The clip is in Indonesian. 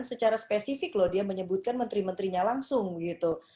secara spesifik loh dia menyebutkan menteri menterinya langsung gitu